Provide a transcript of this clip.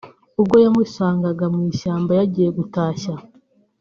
ubwo yamusangaga mu ishyamba yagiye gutashya